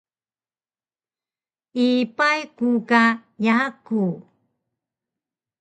Ipay ku ka yaku